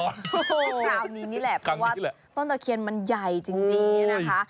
คราวนี้นี่แหละเพราะว่าต้นตะเคียนมันใหญ่จริงเนี่ยนะคะ